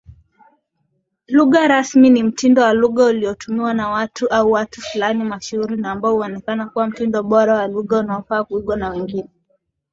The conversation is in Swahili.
Lugha rasimi ni mtindo wa lugha uliotumiwa na mtu au watu fulani mashuhuri na ambao huonekana kuwa mtindo bora wa lugha unaofaa kuigwa na wengine.